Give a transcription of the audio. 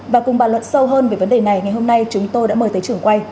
và cùng bàn luận sâu hơn về vấn đề này ngày hôm nay chúng tôi đã mời tới trường quay